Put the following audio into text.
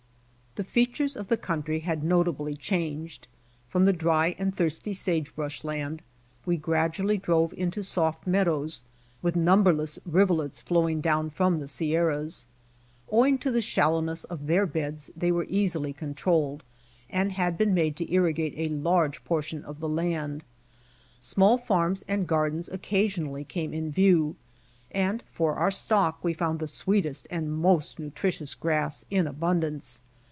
The features of the country had notably changed. From the dry and thirsty sagebrush land we gradu ally drove into soft meadows, with numberless rivulets flowing down from the Sierras. Owing to the shallowness of their beds they were easily controlled, and had been made to irrigate a large portion of the land. Small farms and gardens occasionally came in view, and for our stock we found the sweetest and most nutritious grass in abundance.